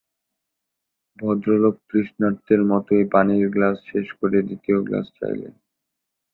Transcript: ভদ্রলোক তৃষ্ণার্তের মতোই পানির গ্লাস শেষ করে দ্বিতীয় গ্লাস চাইলেন।